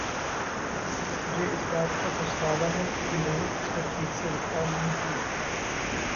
मुझे इस बात का पछतावा है कि मैंने उसका ठीक से बरताव नहीं किया।